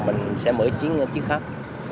mình sẽ mở chiếc khách